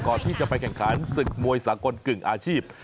ก่อนที่จะไปแข่งขันศึกมวยสากลกึ่งอาชีพ